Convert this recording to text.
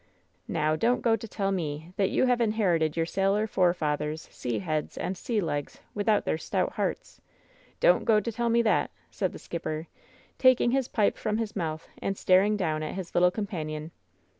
"Now, don^t go to tell me that you have inherited your sailor forefathers' sea heads and sea legs without their stout hearts! Don't go to tell me that!" said the skipper, taking his pipe from his mouth and staring down at his little companion.